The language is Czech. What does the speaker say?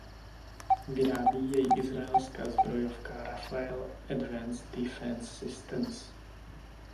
Vyrábí jej izraelská zbrojovka Rafael Advanced Defense Systems.